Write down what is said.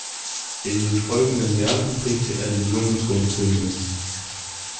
In den folgenden Jahren prägte er den jungen Tonfilm mit.